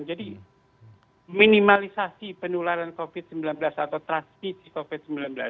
minimalisasi penularan covid sembilan belas atau transmisi covid sembilan belas